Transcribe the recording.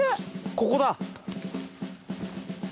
ここだ。